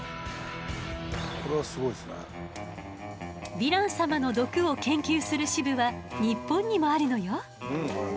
ヴィラン様の毒を研究する支部は日本にもあるのよ。